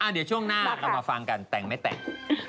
เดี๋ยวช่วงหน้าเรามาฟังกันแต่งไม่แต่ง